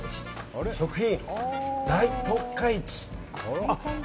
食品大特価市。